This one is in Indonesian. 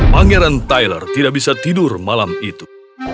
pangeran tyler tidak bisa tidur malam itu